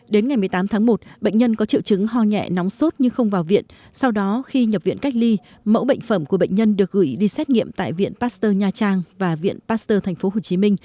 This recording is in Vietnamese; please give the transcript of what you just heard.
đến ngày một mươi tám tháng một bệnh nhân có triệu chứng ho nhẹ nóng sốt nhưng không vào viện sau đó khi nhập viện cách ly mẫu bệnh phẩm của bệnh nhân được gửi đi xét nghiệm tại viện pasteur nha trang và viện pasteur tp hcm